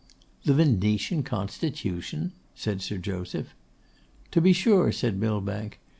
'The Venetian Constitution!' said Sir Joseph. 'To be sure,' said Millbank.